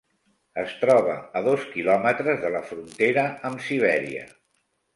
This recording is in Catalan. Es troba a dos kilòmetres de la frontera amb Sibèria.